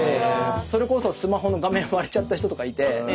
それこそスマホの画面割れちゃった人とかいて。